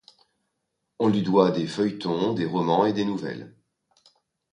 On lui doit des feuilletons, des romans et des nouvelles.